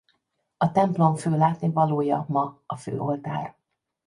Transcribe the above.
A templom fő látnivalója ma a főoltár.